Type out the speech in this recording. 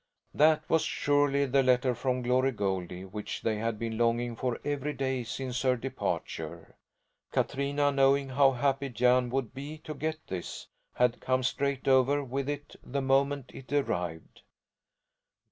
That was surely the letter from Glory Goldie which they had been longing for every day since her departure. Katrina, knowing how happy Jan would be to get this, had come straight over with it the moment it arrived.